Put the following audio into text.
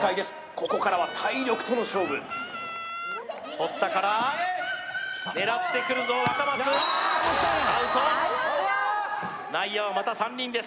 ここからは体力との勝負堀田から狙ってくるぞアウト内野はまた３人です